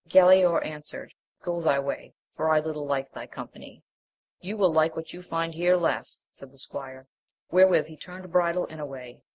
Galaor answered, Go thy way, for I little like thy company. You will like what you find here less, said the squire ; wherewith he turned bridle and away.